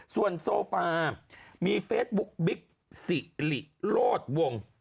ส่วนโซฟามีเฟซบุ๊กบิ๊กสิริโลดวง